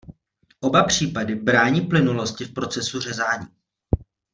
Oba případy brání plynulosti v procesu řezání.